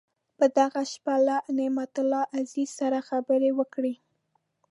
په دغه شپه له نعمت الله عزیز سره خبرې وکړې.